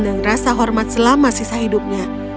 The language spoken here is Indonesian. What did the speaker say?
dan rasa hormat selama sisa hidupnya